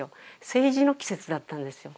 政治の季節だったんですよ